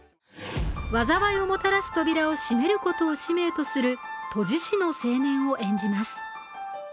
災いをもたらす扉を閉めることを使命とする閉じ師の青年を演じます。